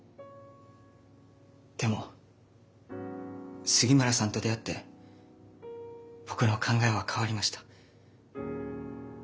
でも杉村さんと出会って僕の考えは変わりました。